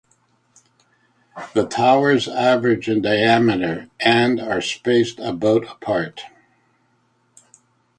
The towers average in diameter and are spaced about apart.